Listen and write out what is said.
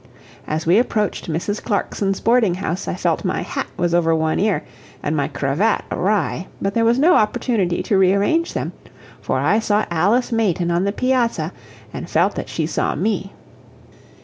As we approached Mrs. Clarkson's boarding house I felt my hat was over one ear, and my cravat awry, but there was no opportunity to rearrange them, for I saw Alice Mayton on the piazza, and felt that she saw me.